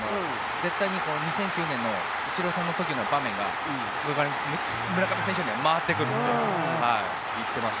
絶対に２００９年のイチローさんの時の場面が村上選手に回ってくるって言っていました。